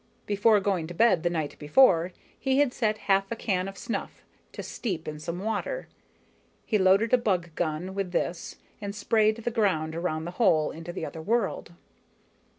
Before going to bed the night before, he had set half a can of snuff to steep in some water. He loaded a bug gun with this and sprayed the ground around the hole into the other world.